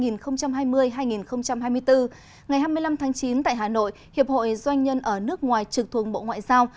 ngày hai mươi năm tháng chín tại hà nội hiệp hội doanh nhân ở nước ngoài trực thuộc bộ ngoại giao